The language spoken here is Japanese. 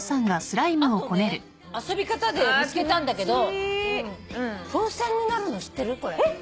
あとね遊び方で見つけたんだけど風船になるの知ってる？えっ？